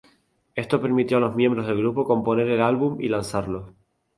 Esto permitió a los miembros del grupo componer el álbum y lanzarlo.